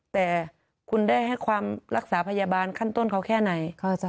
แต่คุณได้ให้ความรักษาพยาบาลขั้นต้นเขาแค่ไหน